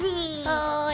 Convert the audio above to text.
はい。